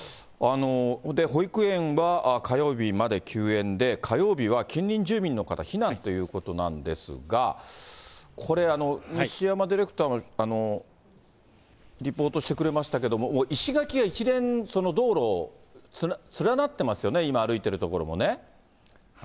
保育園は火曜日まで休園で、火曜日は近隣住民の方避難ということなんですが、これ、西山ディレクター、リポートしてくれましたけれども、石垣が一面、道路を連なってますよね、今、歩いている所もね。